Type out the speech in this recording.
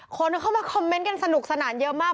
คนเข้ามาคอมเมนต์กันสนุกสนานเยอะมาก